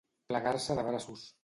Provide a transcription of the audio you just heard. Plegar-se de braços.